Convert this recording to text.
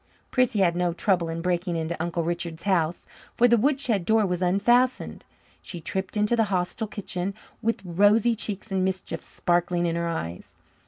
Prissy had no trouble in breaking into Uncle Richard's house, for the woodshed door was unfastened. She tripped into the hostile kitchen with rosy cheeks and mischief sparkling in her eyes.